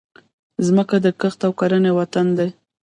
مځکه د کښت او کرنې وطن دی.